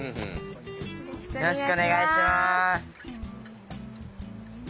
よろしくお願いします。